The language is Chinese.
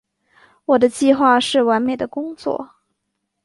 我的计划是完美的工作。